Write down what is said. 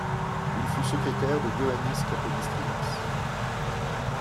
Il fut secrétaire de Ioánnis Kapodístrias.